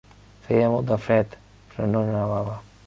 Feia molt de fred, però no nevava.